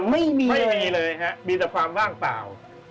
ไม่มีเลยครับมีแต่ความว่างเปล่า